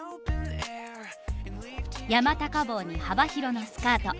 山高帽に幅広のスカート。